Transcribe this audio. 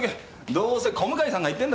どうせ小向さんが言ってんだろう？